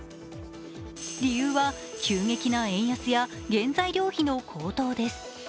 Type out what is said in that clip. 理由は急激な円安や原材料費の高騰です。